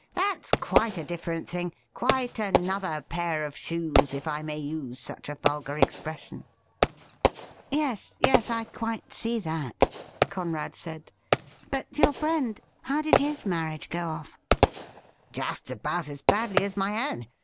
That's quite a different thing — quite another pair of shoes, if I may use such a vulgar expression.' ' Yes — ^yes ; I quite see that,' Conrad said. ' But your friend — how did his marriage go off ?'' Just about as badly as my own.